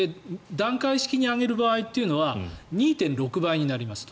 段階式に上げる場合というのは２．６倍になりますと。